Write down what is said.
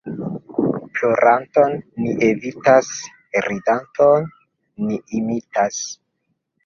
Ploranton ni evitas, ridanton ni imitas.